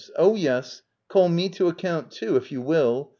Oh, yes — call me to account, too — if you will.